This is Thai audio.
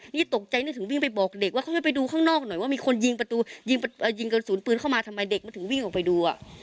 นี่ตกใจนึกถึงวิ่งไปบอกเด็กว่าเขาให้ไปดูข้างนอกหน่อยว่ามีคนยิงประตูยิงกระสุนปืนเข้ามาทำไมเด็กมันถึงวิ่งออกไปดูอ่ะ